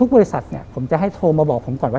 บริษัทเนี่ยผมจะให้โทรมาบอกผมก่อนว่า